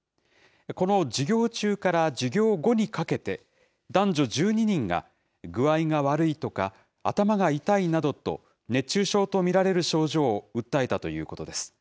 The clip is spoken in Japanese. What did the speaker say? この授業中から授業後にかけて、男女１２人が、具合が悪いとか、頭が痛いなどと、熱中症と見られる症状を訴えたということです。